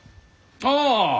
ああ！